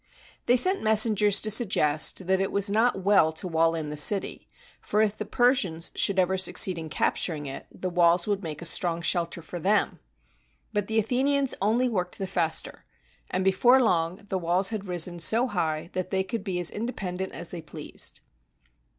They sent messengers to suggest that it was not well to wall in the city; for if the Persians should ever succeed in capturing it, the walls would make a strong shelter for them. But the Athenians only worked the faster; and before long the walls had risen so high that they could be as independent as they pleased.